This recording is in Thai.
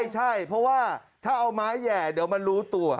ใช่เพราะว่าถ้าเอาไม้แห่เดี๋ยวมันรู้ตัว